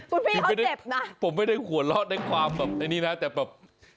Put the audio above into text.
คุณพี่เขาเจ็บนะผมไม่ได้หัวเราะในความแบบไอ้นี่นะแต่แบบ